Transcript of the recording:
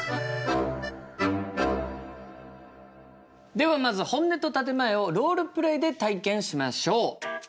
ではまず「本音」と「建て前」をロールプレイで体験しましょう。